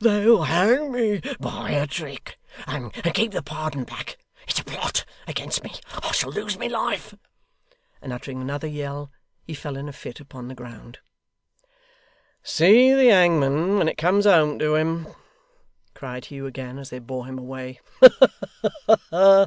'They'll hang me by a trick, and keep the pardon back. It's a plot against me. I shall lose my life!' And uttering another yell, he fell in a fit upon the ground. 'See the hangman when it comes home to him!' cried Hugh again, as they bore him away 'Ha ha ha!